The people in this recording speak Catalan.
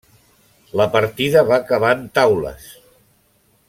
La partida va acabar en taules.